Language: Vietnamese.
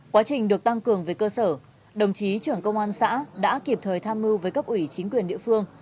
quá trình được tăng cường về cơ sở đồng chí trưởng công an xã đã kịp thời tham mưu với cấp ủy chính quyền địa phương